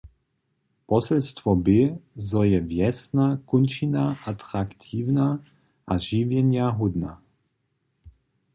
Poselstwo bě, zo je wjesna kónčina atraktiwna a žiwjenja hódna.